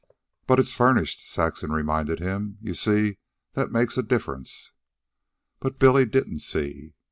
"But it's furnished," Saxon reminded him. "You see, that makes a difference." But Billy didn't see.